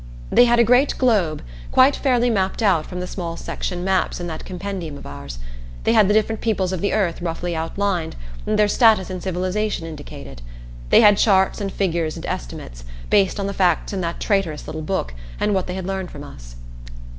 They had a great globe, quite fairly mapped out from the small section maps in that compendium of ours. They had the different peoples of the earth roughly outlined, and their status in civilization indicated. They had charts and figures and estimates, based on the facts in that traitorous little book and what they had learned from us.